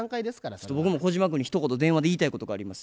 ちょっと僕も小島君にひとこと電話で言いたいことがあります。